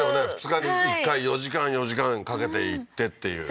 ２日に１回、４時間・４時間かけて行ってっていう。